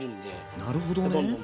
なるほどね。